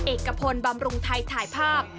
เอกพลบำรุงไทยถ่ายภาพ